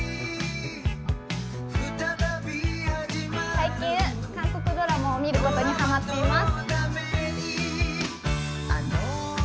最近、韓国ドラマを見ることにハマっています。